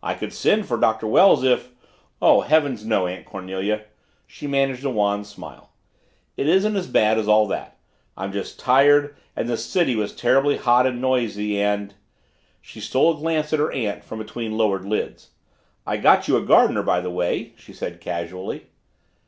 "I could send for Doctor Wells if " "Oh, heavens, no, Aunt Cornelia." She managed a wan smile. "It isn't as bad as all that. I'm just tired and the city was terribly hot and noisy and " She stole a glance at her aunt from between lowered lids. "I got your gardener, by the way," she said casually.